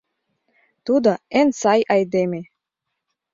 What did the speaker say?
Тудо эн сай айдеме.